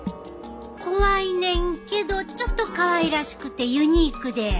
怖いねんけどちょっとかわいらしくてユニークで。